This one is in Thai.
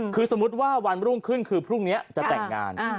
คือสมมุติว่าวันรุ่งขึ้นคือพรุ่งนี้จะแต่งงาน